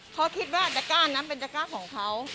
เขาคิดว่าตะก้านั้นเป็นตะก้าของเขา